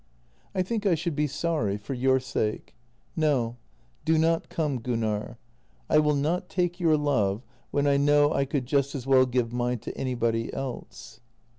" "I think I should be sorry — for your sake. No, do not come, Gunnar. I will not take your love when I know I could just as well give mine to anybody else."